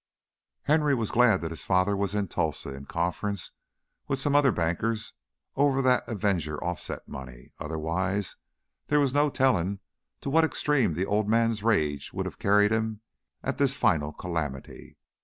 Henry was glad that his father was in Tulsa in conference with some other bankers over that Avenger offset money, otherwise there was no telling to what extreme the old man's rage would have carried him at this final calamity.